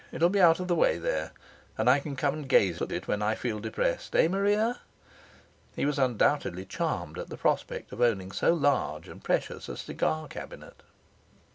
It will be out of the way there. And I can come and gaze at it when I feel depressed. Eh, Maria?' He was undoubtedly charmed at the prospect of owning so large and precious a cigar cabinet.